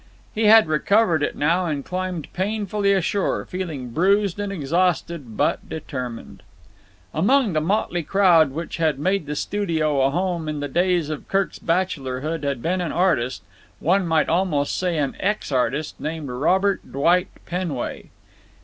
He had recovered it now and climbed painfully ashore, feeling bruised and exhausted, but determined. Among the motley crowd which had made the studio a home in the days of Kirk's bachelorhood had been an artist—one might almost say an ex artist—named Robert Dwight Penway.